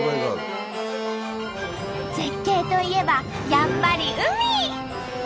絶景といえばやっぱり海！